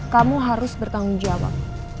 kamu harus bertanggung jawab